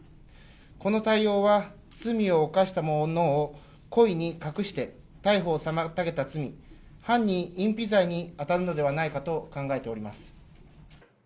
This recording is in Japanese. この対応は、罪を犯した者を故意に隠して、逮捕を妨げた罪、犯人隠避罪に当たるのではないかと考えております。